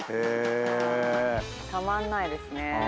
たまんないですね。